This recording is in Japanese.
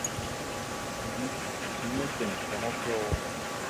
三重県菰野町